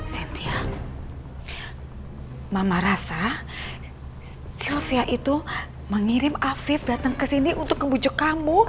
cynthia mama rasa sylvia itu mengirim afif dateng kesini untuk membujuk kamu